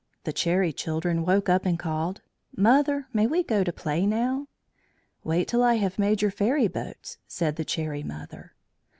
The Cherry Children woke up and called: "Mother, may we go to play now?" "Wait till I have made your fairy boats," said the Cherry Mother.